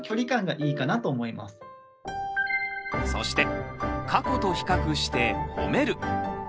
そして「過去と比較してほめる」。